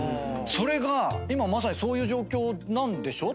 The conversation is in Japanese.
それが今まさにそういう状況なんでしょ？